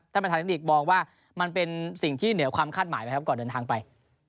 ประธานเทคนิคมองว่ามันเป็นสิ่งที่เหนือความคาดหมายไหมครับก่อนเดินทางไป